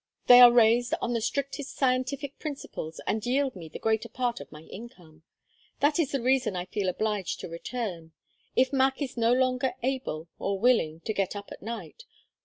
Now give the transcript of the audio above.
They are raised on the strictest scientific principles and yield me the greater part of my income. That is the reason I feel obliged to return if Mac is no longer able or willing to get up at night.